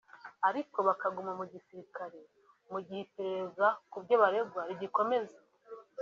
ariko bakaguma mu Gisirikare mu gihe iperereza ku byo baregwa rigikomeza